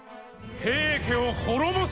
平家を滅ぼす。